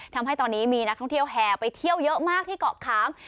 ทำให้ตอนนี้มีนักท่องเที่ยวแห่ไปเที่ยวเยอะมากที่เกาะขาม